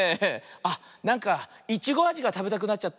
あっなんかイチゴあじがたべたくなっちゃった。